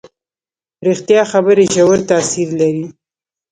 ریښتیا خبرې ژور تاثیر لري.